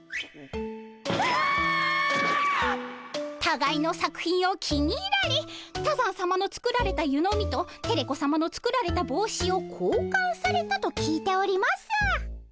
たがいの作品を気に入られ多山さまの作られた湯飲みとテレ子さまの作られた帽子を交換されたと聞いております。